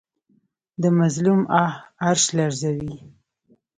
د مظلوم آه عرش لرزوي